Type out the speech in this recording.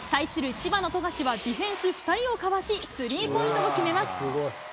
千葉の富樫はディフェンス２人をかわし、スリーポイントを決めます。